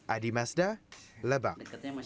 adi mazda lebak